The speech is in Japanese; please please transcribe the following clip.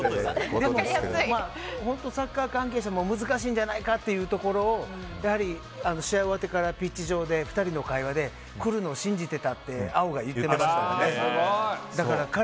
サッカー関係者も難しいんじゃないかというところを試合終わってからピッチ上で２人の会話で来るの信じてたって碧が言ってましたよね。